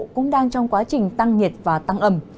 cũng đang trong quá trình tăng nhiệt và tăng âm